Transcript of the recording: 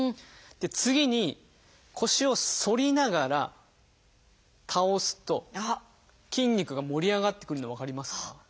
で次に腰を反りながら倒すと筋肉が盛り上がってくるの分かりますか？